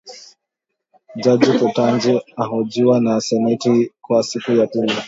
Jaji Ketanji ahojiwa na seneti kwa siku ya pili.